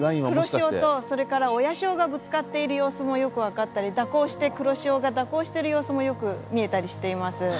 黒潮とそれから親潮がぶつかっている様子もよく分かったり黒潮が蛇行してる様子もよく見えたりしています。